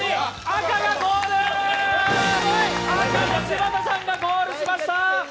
赤の柴田さんがゴールしました！